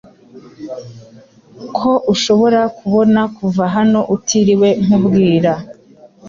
ko ushobora kubona kuva hano utiriwe nkubwira